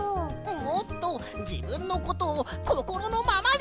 もっとじぶんのことをこころのままにいうんだよ！